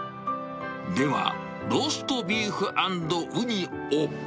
では、ローストビーフ＆ウニを。